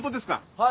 はい。